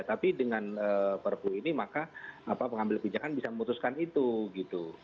tapi dengan perpu ini maka pengambil kebijakan bisa memutuskan itu gitu